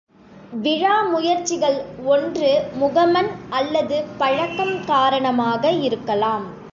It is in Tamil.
விழா முயற்சிகள் ஒன்று முகமன், அல்லது பழக்கம் காரணமாக இருக்கலாம்.